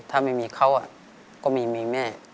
ถ้าไม่มีเขาก็มีแม่